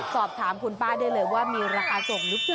สอบถามคุณป้าได้เลยว่ามีราคาส่งหรือเปล่า